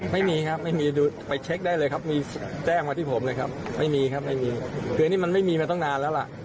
ไม่มีครับไม่มีดูไปเช็คได้เลยครับมีแจ้งมาที่ผมเลยครับไม่มีครับไม่มีคืออันนี้มันไม่มีมาตั้งนานแล้วล่ะ